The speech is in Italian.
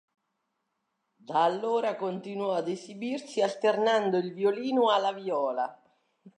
Da allora continuò ad esibirsi alternando il violino alla viola.